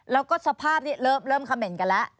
แล้วก็สภาพเริ่มคำเห็นกันแล้ว